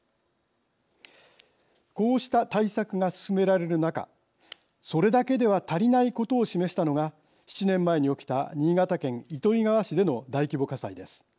こうした対策が進められる中それだけでは足りないことを示したのが７年前に起きた新潟県糸魚川市での大規模火災です。